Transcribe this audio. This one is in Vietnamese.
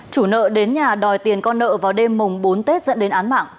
chủ nợ đến nhà đòi tiền con nợ vào đêm mùng bốn tết dẫn đến án mạng